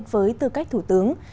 với tư cách thủ tướng